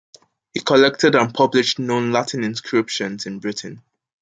He collected and published known Latin inscriptions in Britain.